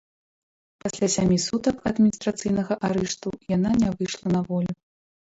Пасля сямі сутак адміністрацыйнага арышту яна не выйшла на волю.